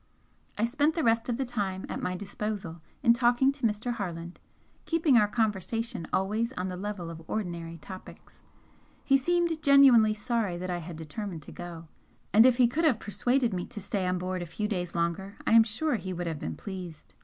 I spent the rest of the time at my disposal in talking to Mr. Harland, keeping our conversation always on the level of ordinary topics. He seemed genuinely sorry that I had determined to go, and if he could have persuaded me to stay on board a few days longer I am sure he would have been pleased.